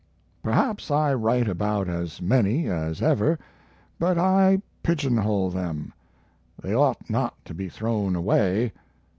Perhaps I write about as many as ever, but I pigeonhole them. They ought not to be thrown away.